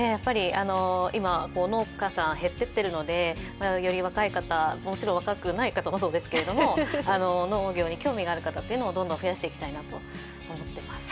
今、農家さん減っていっているので、若い方、もちろん若くない方もそうですけれども、農業に興味のある方をどんどん増やしていきたいと思っています。